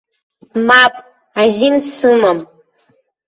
Мап, азин сымам!